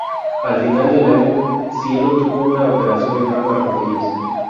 Al final del año, Cielo tuvo una operación en ambas rodillas.